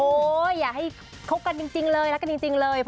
อย่าให้คบกันจริงเลยรักกันจริงเลย